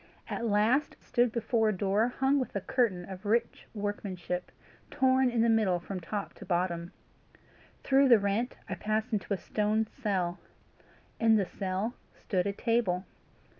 At last I stood before a door hung with a curtain of rich workmanship, torn in the middle from top to bottom. Through the rent I passed into a stone cell. In the cell stood a table.